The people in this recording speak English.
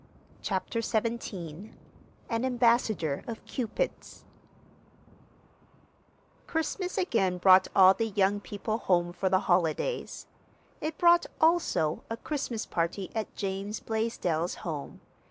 CHAPTER XVII AN AMBASSADOR OF CUPID'S Christmas again brought all the young people home for the holidays. It brought, also, a Christmas party at James Blaisdell's home.